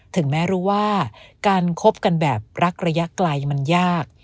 ถึงแม้รู้ว่าการคบกันแบบรักระยะไกลมันยาก